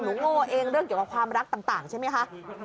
โง่เองเรื่องเกี่ยวกับความรักต่างใช่ไหมคะ